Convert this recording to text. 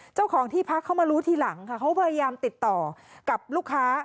เจ้าของที่พักเขามารู้ทีหลังค่ะเขาพยายามติดต่อกับลูกค้า